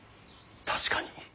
確かに。